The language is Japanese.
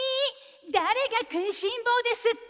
だれがくいしんぼうですって？